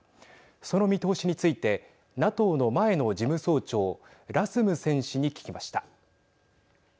その見通しについてＮＡＴＯの前の事務総長ラスムセン氏に聞きました。